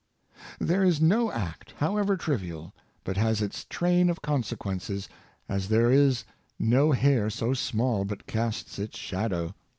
There is no act, however trivial, but has its train of consequences, as there is no hair so small but casts its shadow.